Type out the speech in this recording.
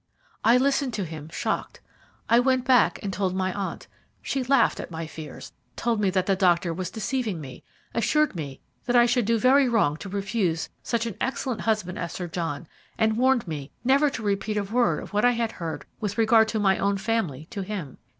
"I listened to him shocked. I went back and told my aunt. She laughed at my fears, told me that the doctor was deceiving me, assured me that I should do very wrong to refuse such an excellent husband as Sir John, and warned me never to repeat a word of what I had heard with regard to my own family to him.